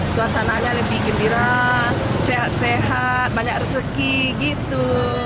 suasananya lebih gembira sehat sehat banyak rezeki gitu